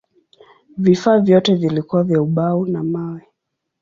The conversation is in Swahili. Vifaa vyote vilikuwa vya ubao na mawe.